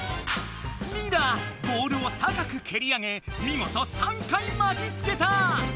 リラボールを高くけり上げみごと３回巻きつけた！